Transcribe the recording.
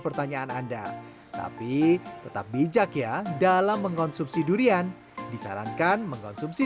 pertanyaan anda tapi tetap bijak ya dalam mengkonsumsi durian disarankan mengkonsumsi